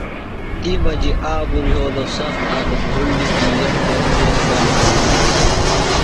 تی مجیۡ آبرُوۡ یھولوۡ سخت آکہ گُھوڑ دِتیۡ یکدم تیز باݜ شرو بِھلوۡ۔